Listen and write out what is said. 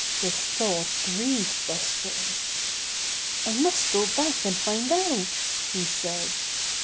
This thought grieved Buster. "I must go back and find out," he said.